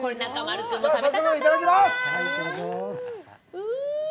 早速いただきます。